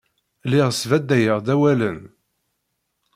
Lliɣ sbadayeɣ-d awalen.